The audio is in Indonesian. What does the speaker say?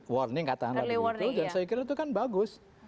saya kira itu kan bagus